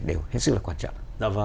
đều hết sức là quan trọng